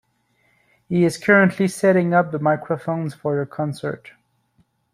He is currently setting up the microphones for the concert.